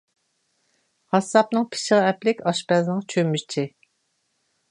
قاسساپنىڭ پىچىقى ئەپلىك، ئاشپەزنىڭ چۆمۈچى.